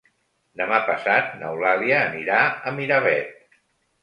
Demà passat n'Eulàlia anirà a Miravet.